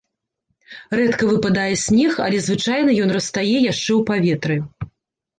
Рэдка выпадае снег, але звычайна ён растае яшчэ ў паветры.